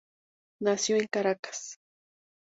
Nació en Caracas.